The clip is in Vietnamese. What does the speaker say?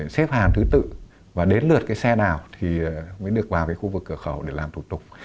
xếp hàng thứ tự và đến lượt xe nào mới được vào khu vực cửa khẩu để làm thủ tục